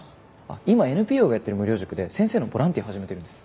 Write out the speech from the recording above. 今ＮＰＯがやってる無料塾で先生のボランティア始めてるんです。